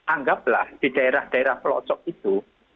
anggaplah di daerah daerah pelosok itu